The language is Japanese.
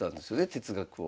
哲学を。